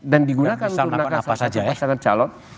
dan digunakan untuk menangkan salah satu pasangan calon